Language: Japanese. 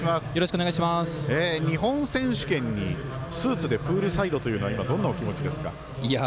日本選手権にスーツでプールサイドというのはどんなお気持ちですか？